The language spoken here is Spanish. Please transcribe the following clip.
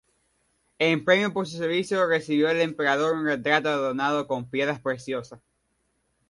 En premio por su servicio, recibió del emperador un retrato adornado con piedras preciosas.